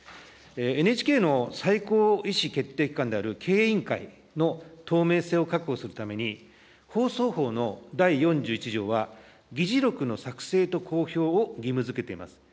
ＮＨＫの最高意思決定機関である経営委員会の透明性を確保するために、放送法の第４１条は、議事録の作成と公表を義務づけています。